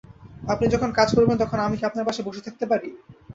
আপনি যখন কাজ করবেন তখন আমি কি আপনার পাশে বসে থাকতে পারি?